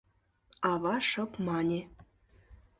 Ава шып мане: